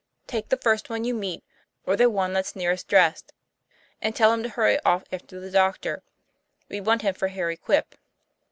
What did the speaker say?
Take the first one you meet, or the one that's nearest dressed, and tell him to hurry off after the doctor: we want him for Harry Quip."